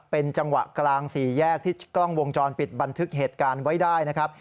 เป็นจังหวะกลางสี่แยกที่กล้องวงจรปิดบันทึกเหตุการณ์ไว้ได้นะครับ